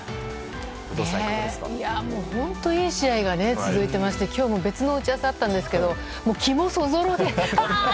本当にいい試合が続いていまして今日も別の打ち合わせがあったんですが気もそぞろであーっ！